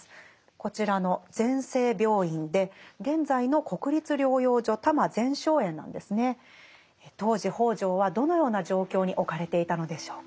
こちらの当時北條はどのような状況に置かれていたのでしょうか。